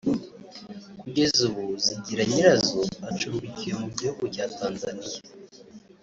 Kugeza ubu Zigiranyirazo acumbikiwe mu gihugu cya Tanzania